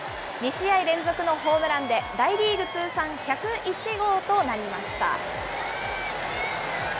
２試合連続のホームランで、大リーグ通算１０１号となりました。